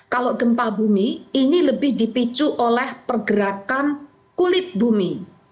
kalau gempa bumi ini lebih dipicu oleh pergerakan kulit bumi